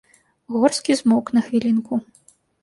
Горскі змоўк на хвілінку.